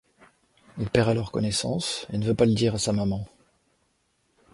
Il perd alors connaissance et ne veut pas le dire a sa maman.